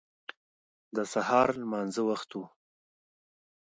د سهار لمانځه وخت و.